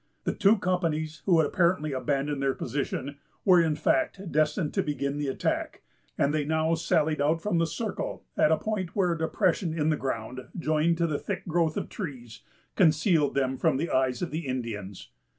The two companies, who had apparently abandoned their position, were in fact destined to begin the attack; and they now sallied out from the circle at a point where a depression in the ground, joined to the thick growth of trees, concealed them from the eyes of the Indians.